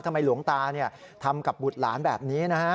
ทำไมหลวงตาทำกับบุตรหลานแบบนี้นะครับ